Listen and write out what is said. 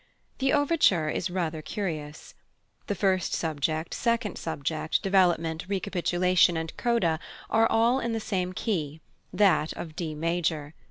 The overture is rather curious. The first subject, second subject, development, recapitulation, and coda are all in the same key, that of D major.